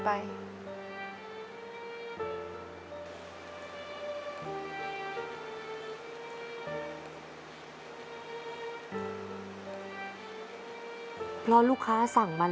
แต่ที่แม่ก็รักลูกมากทั้งสองคน